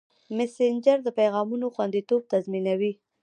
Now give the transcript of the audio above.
مسېنجر د پیغامونو خوندیتوب تضمینوي.